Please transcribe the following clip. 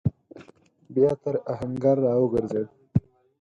بيا تر آهنګر راوګرځېد.